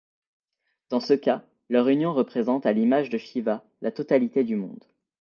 Dans ce cas, leur union représente, à l'image de Shiva, la totalité du monde.